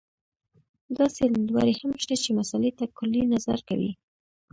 داسې لیدلوري هم شته چې مسألې ته کُلي نظر کوي.